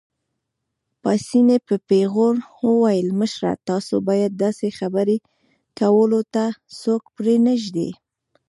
پاسیني په پېغور وویل: مشره، تاسو باید داسې خبرې کولو ته څوک پرېنږدئ.